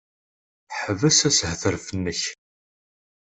Ḥbes ashetref-nnek!